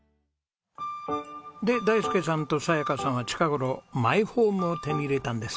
で大介さんと早矢加さんは近頃マイホームを手に入れたんです。